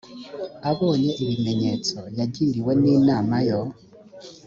abonye ibimenyetso yagiriwe n inama yo